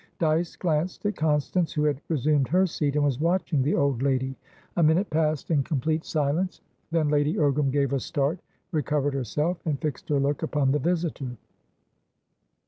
Dyce glanced at Constance, who had resumed her seat, and was watching the old lady. A minute passed in complete silence, then Lady Ogram gave a start, recovered herself, and fixed her look upon the visitor.